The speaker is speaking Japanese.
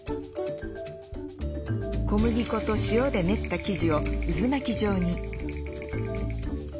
小麦粉と塩で練った生地を渦巻き状に。